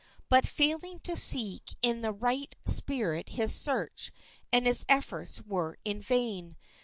But failing to seek in the right spirit his search and his efforts were in vain.